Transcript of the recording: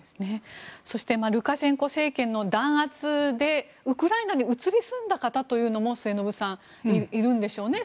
そしてルカシェンコ政権の弾圧でウクライナに移り住んだ方というのも末延さん、いるんでしょうね。